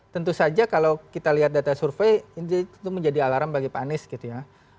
tentu saja kalau kita lihat data survei itu menjadi alarm bagi pak anies gitu ya